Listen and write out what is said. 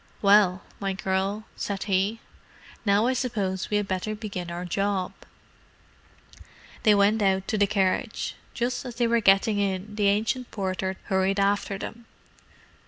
"Well, my girl," said he. "Now I suppose we had better begin our job." They went out to the carriage. Just as they were getting in, the ancient porter hurried after them.